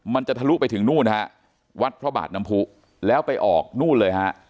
จะทะลุไปถึงนู่นฮะวัดพระบาทน้ำผู้แล้วไปออกนู่นเลยฮะ